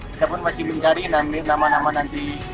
kita pun masih mencari nama nama nanti